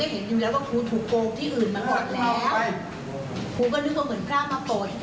แล้วพระของคุณคืนมาด้วยเอามือของคุณคืนด้วย